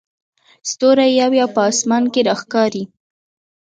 ستوري یو یو په اسمان کې راښکاري.